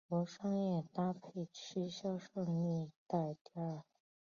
无商业搭配曲销售历代第二。